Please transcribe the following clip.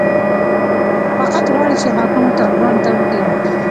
فقط غواړي چې حاکمو طالبانو ته وښيي.